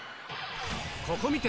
ここ観て！